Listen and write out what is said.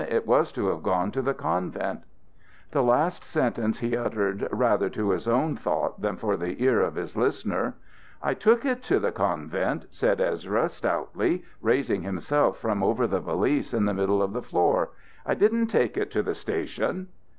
It was to have gone to the convent." The last sentence he uttered rather to his own thought than for the ear of his listener. "I took it to the convent," said Ezra, stoutly, raising himself from over the valise in the middle of the floor. "I didn't take it to the station!"